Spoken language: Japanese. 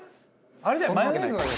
あれじゃない？